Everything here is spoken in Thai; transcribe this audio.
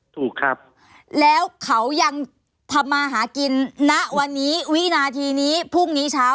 ถูกครับแล้วเขายังทำมาหากินณวันนี้วินาทีนี้พรุ่งนี้เช้า